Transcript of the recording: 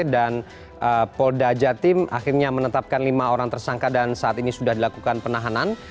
dan polda jatim akhirnya menetapkan lima orang tersangka dan saat ini sudah dilakukan penahanan